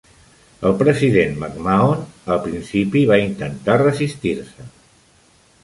El president MacMahon, al principi, va intentar resistir-se.